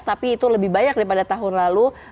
tapi itu lebih banyak daripada tahun lalu